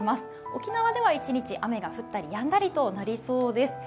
沖縄では一日雨が降ったりやんだりとなりそうです。